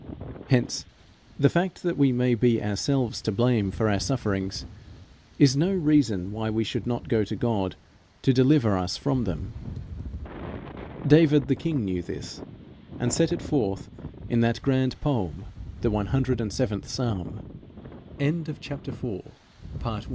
Hence, the fact that we may be ourselves to blame for our sufferings is no reason why we should not go to God to deliver us from them. David the king knew this, and set it forth in that grand poem, the 107th Psalm. In the very next case we find that Jesus will